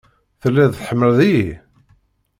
Telliḍ tḥemmleḍ-iyi?